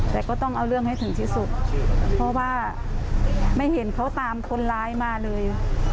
แต่ก็ต้องเอาเรื่องให้ถึงที่สุดเพราะว่าไม่เห็นเขาตามคนร้ายมาเลย